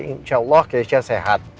insya allah keisha sehat